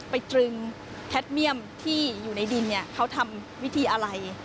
ไปจึงแคทมีีมที่อยู่ในดินเขาทำวิธีอะไร